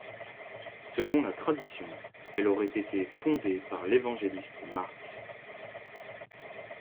Selon la tradition, elle aurait été fondée par l'évangéliste Marc.